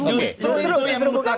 justru itu yang memutar